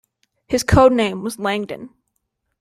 His code name was "Langdon".